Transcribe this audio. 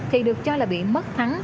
thì được cho là bị mất thắng